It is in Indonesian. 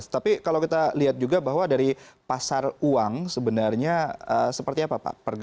tapi kalau kita lihat juga bahwa dari pasar uang sebenarnya seperti apa pak